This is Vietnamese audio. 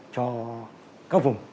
cho các vùng